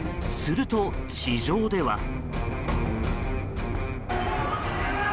すると、地上では。